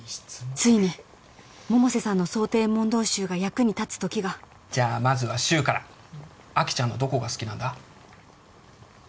ついに百瀬さんの想定問答集が役に立つ時がじゃまずは柊からあきちゃんのどこが好きなんだ？